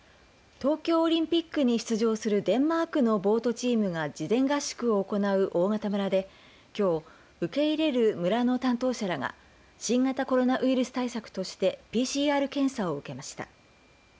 東京オリンピックに出場するデンマークのボートチームが事前合宿を行う大潟村できょう受け入れる村の担当者らが新型コロナウイルス対策としてＰＣＲ検査を受けました。